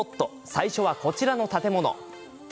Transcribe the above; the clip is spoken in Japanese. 最初は、こちらの建物。